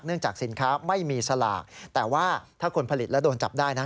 จากสินค้าไม่มีสลากแต่ว่าถ้าคนผลิตแล้วโดนจับได้นะ